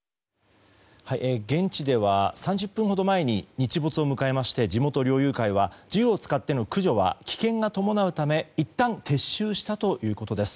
現地では３０分ほど前に日没を迎えまして地元猟友会は銃を使っての駆除は危険が伴うため、いったん撤収したということです。